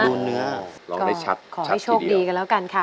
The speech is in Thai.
ขอให้โชคดีกันแล้วกันค่ะ